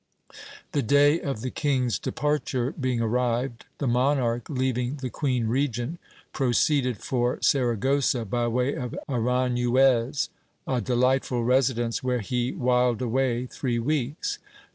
The day of the king's departure being arrived, the monarch, leaving the queen regent, proceeded for Saragossa by way of Aranjuez ; a delightful resi dence, where he whiled away three weeks.